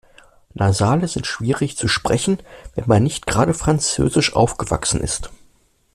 Nasale sind schwierig zu sprechen, wenn man nicht gerade französisch aufgewachsen ist.